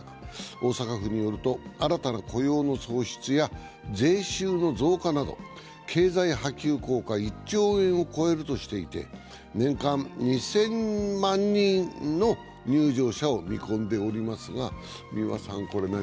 大阪府によると、新たな雇用の創出や税収の増加など経済波及効果は１兆円を超えるとしていて年間２０００万人の入場者を見込んでおります。